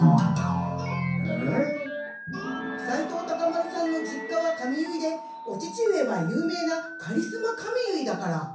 丸さんの実家は髪結いでお父上は有名なカリスマ髪結いだから。